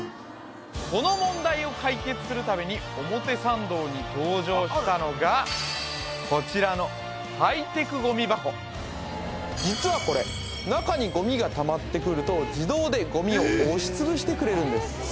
この問題を解決するために表参道に登場したのがこちらの実はこれ中にゴミがたまってくると自動でゴミを押しつぶしてくれるんです